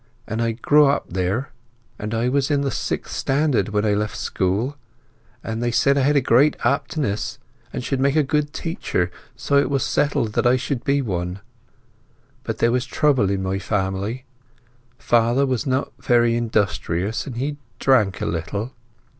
"And I grew up there. And I was in the Sixth Standard when I left school, and they said I had great aptness, and should make a good teacher, so it was settled that I should be one. But there was trouble in my family; father was not very industrious, and he drank a little."